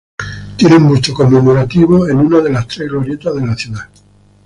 Tiene un busto conmemorativo en una de los tres glorietas de la ciudad.